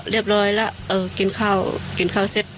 เรียบร้อยกินข้าวกินข้าวเสร็จ